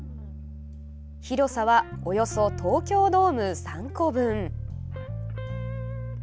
広さはおよそ東京ドーム３個分。